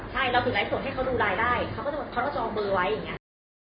ใช่เราถือไร้ส่งให้เขาดูไลน์ได้เขาก็จะเอาเบอร์ไว้อย่างนี้